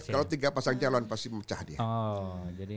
kalau tiga pasang calon pasti mencah dia